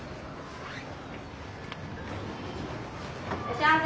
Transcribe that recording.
いらっしゃいませ。